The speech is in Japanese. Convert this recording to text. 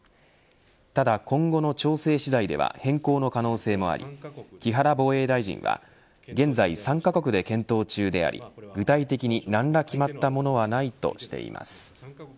ただ、今後の調整次第では変更の可能性もあり木原防衛大臣は現在３カ国で検討中であり具体的に何ら決まったものはないとしています。